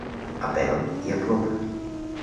A pèl i a ploma.